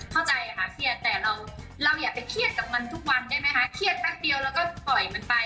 เข้าใจค่ะเครียดแต่เราอย่าไปเครียดกับมันทุกวันได้ไหมคะเครียดแป๊บเดียวแล้วก็ปล่อยมันไป